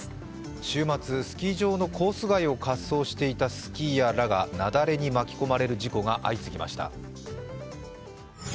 週末、スキー場のコース外を滑走していたスキーヤーらが雪崩に巻き込まれる事故が相次ぎました。